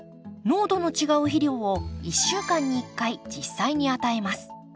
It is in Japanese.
濃度の違う肥料を１週間に１回実際に与えます。